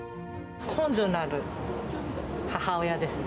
根性のある母親ですね。